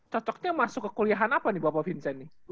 cocoknya masuk ke kuliahan apa nih bapak vincent nih